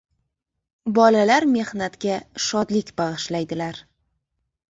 Bolalar mehnatga shodlik bag‘ishlaydilar